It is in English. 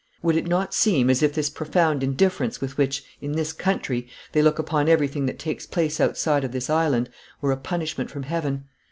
Would it not seem as if this profound indifference with which, in this country, they look upon everything that takes place outside of this island, were a punishment from Heaven?